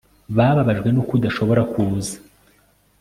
Bababajwe nuko udashobora kuza